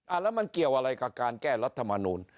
แล้วมันเกี่ยวอะไรกับการแก้รัฐมนูล